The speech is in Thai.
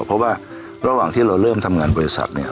เพราะว่าระหว่างที่เราเริ่มทำงานบริษัทเนี่ย